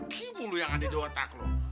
kita ini masih padan